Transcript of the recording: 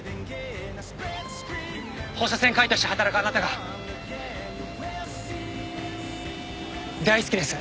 放射線科医として働くあなたが大好きです。